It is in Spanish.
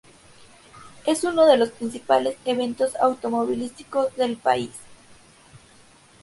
Es uno de los principales eventos automovilísticos del país.